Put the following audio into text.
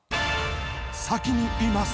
先に言います。